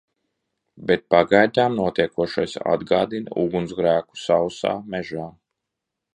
Bet pagaidām notiekošais atgādina ugunsgrēku sausā mežā.